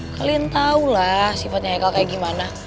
kalian tau lah sifatnya haikal kayak gimana